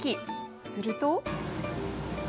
すると。